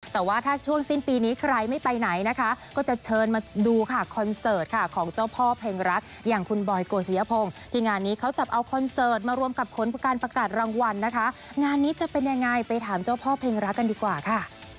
แต่ว่าถ้าช่วงสิ้นปีนี้ใครไม่ไปไหนนะคะก็จะเชิญมาดูค่ะคอนเสิร์ตค่ะของเจ้าพ่อเพลงรักอย่างคุณบอยโกศิยพงศ์ที่งานนี้เขาจับเอาคอนเสิร์ตมารวมกับผลประการประกาศรางวัลนะคะงานนี้จะเป็นยังไงไปถามเจ้าพ่อเพลงรักกันดีกว่าค่ะ